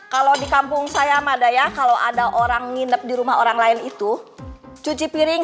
kalau di kampung saya mada ya kalau ada orang nginep di rumah orang lain itu cuci piring